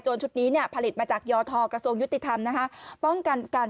โจนชุดนี้พลิตมาจากยทลประสูงยุติธรรมนะคะป้องการการ